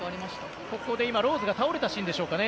今、ローズが倒れたシーンでしょうかね。